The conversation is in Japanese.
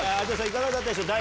いかがだったでしょう？